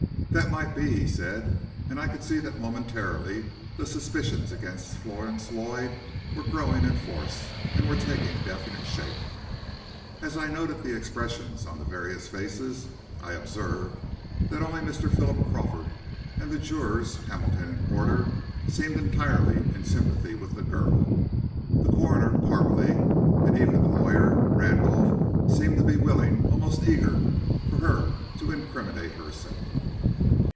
"That might be," he said, and I could see that momentarily the suspicions against Florence Lloyd were growing in force and were taking definite shape. As I noted the expressions, on the various faces, I observed that only Mr. Philip Crawford and the jurors Hamilton and Porter seemed entirely in sympathy with the girl. The coroner, Parmalee, and even the lawyer, Randolph, seemed to be willing, almost eager for her to incriminate herself.